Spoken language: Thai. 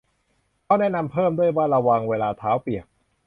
เค้าแนะนำเพิ่มด้วยว่า ระวังเวลาเท้าเปียก